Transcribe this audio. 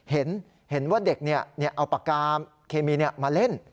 เห็นว่าเด็กเอาปากกาเคมีมาเล่น